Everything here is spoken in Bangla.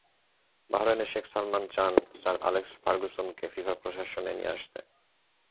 বাহরাইনের শেখ সালমান চান স্যার অ্যালেক্স ফার্গুসনকে ফিফা প্রশাসনে নিয়ে আসতে।